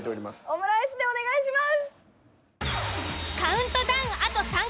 オムライスでお願いします！